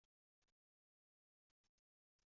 Yemcawaṛ wuccen d ujeḥniḍ-is.